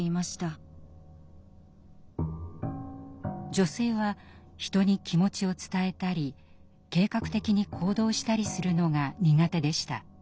女性は人に気持ちを伝えたり計画的に行動したりするのが苦手でした。